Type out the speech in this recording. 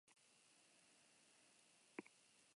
Azken mota horretakoa da, berez, bando gerretan izandakoa.